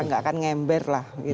nggak akan ngember lah